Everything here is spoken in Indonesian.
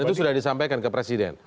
dan itu sudah disampaikan ke presiden